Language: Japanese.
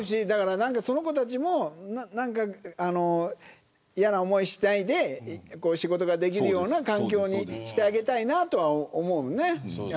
その子たちも嫌な思いをしないでこういう仕事ができるような環境にしてあげたいなとは思うよね。